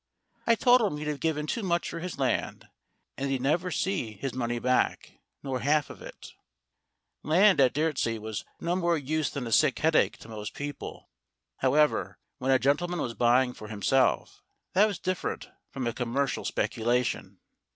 I told him he'd given too much for his land, and that he'd never see his money back, nor half of it. Land at Dyrtisea was no more use than a sick headache to most people. However, when a gentleman was buying for himself, that was different from a commercial speculation.